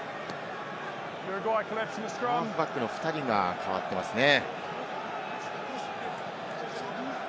フロントバックの２人が代わっていますね。